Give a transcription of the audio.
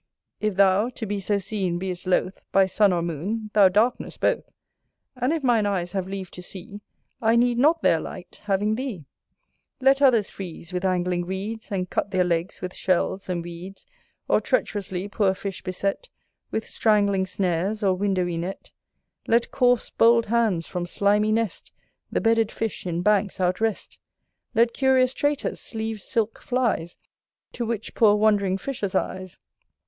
If thou, to be so seen, beest loath By sun or moon, thou dark'nest both; And if mine eyes have leave to see, I need not their light, having thee, Let others freeze with angling reeds, And cut their legs with shells and weeds, Or treacherously poor fish beset With strangling snares or windowy net; Let coarse bold hands, from slimy nest, The bedded fish in banks outwrest; Let curious traitors sleeve silk flies, To 'witch poor wand'ring fishes' eyes.